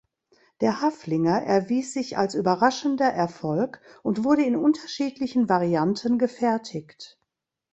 Der Haflinger erwies sich als überraschender Erfolg und wurde in unterschiedlichen Varianten gefertigt.